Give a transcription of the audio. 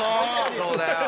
そうだよ。